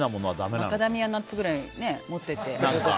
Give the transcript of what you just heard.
マカデミアナッツぐらい持って行って。